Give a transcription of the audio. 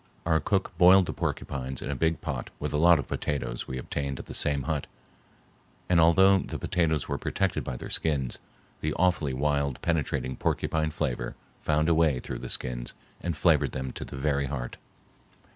Our cook boiled the porcupines in a big pot with a lot of potatoes we obtained at the same hut, and although the potatoes were protected by their skins, the awfully wild penetrating porcupine flavor found a way through the skins and flavored them to the very heart.